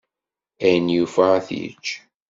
Ayen yufa ad t-yečč.